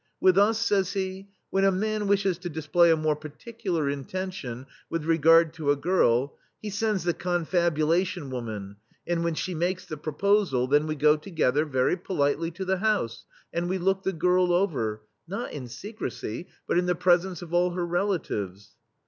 "With us," says he, "when a man wishes to display a more particular intention with regard to a girl, he sends the confabulation woman, and when she makes the proposal, then we go together, very politely, to the house, and we look the girl over, not in secrecy, but in the presence of all her relatives."